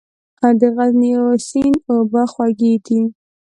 د غزني سیند اوبه خوږې دي؟